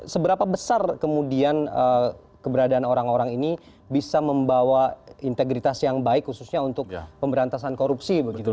seberapa besar kemudian keberadaan orang orang ini bisa membawa integritas yang baik khususnya untuk pemberantasan korupsi begitu